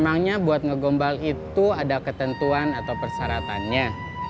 memangnya buat ngegombal itu ada ketentuan atau persyaratannya